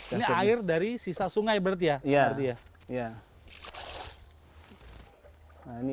ini air dari sisa sungai berarti ya berarti ya